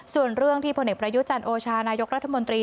ส่วนเรื่องที่ผลเอกประยุจันทร์โอชานายกรัฐมนตรี